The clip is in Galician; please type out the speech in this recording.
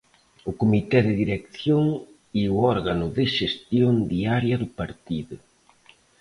O Comité de Dirección é o órgano de xestión diaria do partido.